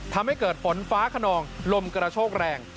ทำให้เกิดฝนฟ้าขนองลมกระโชกแรง